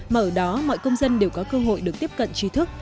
mà ở đó mọi công dân đều có cơ hội được tiếp cận trí thức